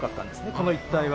この一帯は。